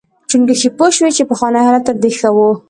چنګښې پوه شوې چې پخوانی حالت تر دې غوره و.